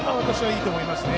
いいと思いますね。